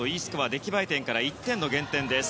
出来栄え点から１点の減点です。